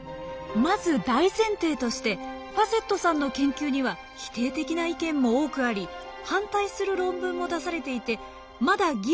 まず大前提としてファセットさんの研究には否定的な意見も多くあり反対する論文も出されていてまだ議論が続いている状況なんです。